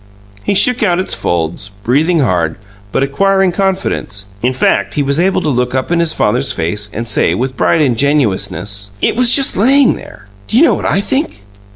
He shook out its folds, breathing hard but acquiring confidence. In fact, he was able to look up in his father's face and say, with bright ingenuousness: "It was just laying there. Do you know what I think?